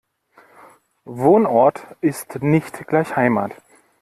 Wohnort ist nicht gleich Heimat.